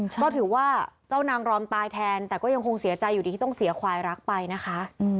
ก็ถือว่าเจ้านางรอมตายแทนแต่ก็ยังคงเสียใจอยู่ดีที่ต้องเสียควายรักไปนะคะ